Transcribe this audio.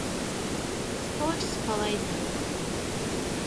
ސްޕޯޓްސް ސްޕަރވައިޒަރ